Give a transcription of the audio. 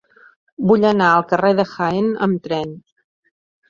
Vull anar al carrer de Jaén amb tren.